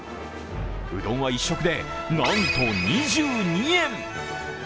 うどんは１食で、なんと２２円。